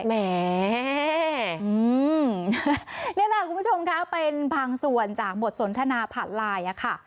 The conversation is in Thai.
แหมนี่แหละคุณผู้ชมคะเป็นบางส่วนจากบทสนทนาผ่านไลน์ค่ะ